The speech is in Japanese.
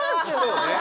そうね。